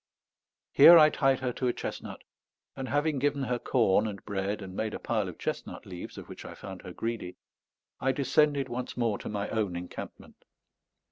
Here I tied her to a chestnut, and having given her corn and bread and made a pile of chestnut leaves, of which I found her greedy, I descended once more to my own encampment.